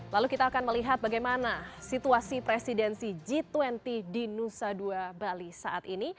lalu kita akan melihat bagaimana situasi presidensi g dua puluh di nusa dua bali saat ini